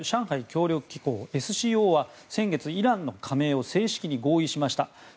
協力機構・ＳＣＯは先月、イランの加盟を正式に合意しました。